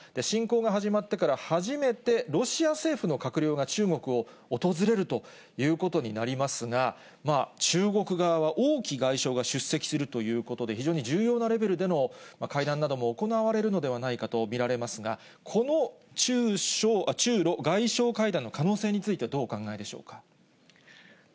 侵攻が始まってから、初めてロシア政府の閣僚が中国を訪れるということになりますが、中国側は、王毅外相が出席するということで、非常に重要なレベルでの会談なども行われるのではないかと見られますが、この中ロ外相会談の可能性については、どうお考えでしょうか。